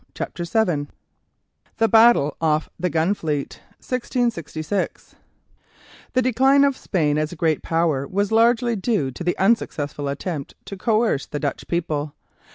CHAPTER VII THE BATTLE OFF THE GUNFLEET 1666 The decline of Spain as a great power was largely due to the unsuccessful attempt to coerce the Dutch people.